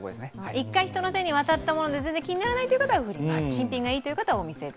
一回、人の手に渡ったものが全然気にならないという人はフリマ、新品がいいという人はお店。